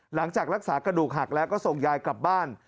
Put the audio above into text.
หลังจากรักษากระดูกหักแล้วก็ส่งยายกลับบ้าน